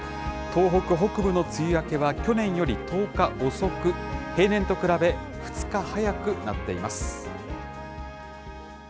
東北北部の梅雨明けは、去年より１０日遅く、平年と比べ、２日早くなっています。